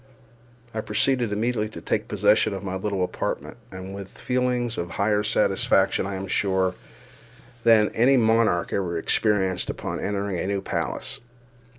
I proceeded immediately to take possession of my little apartment, and this with feelings of higher satisfaction, I am sure, than any monarch ever experienced upon entering a new palace.